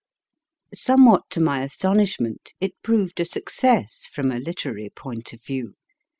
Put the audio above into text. Some what to my astonishment, it proved a success from a literary point of view.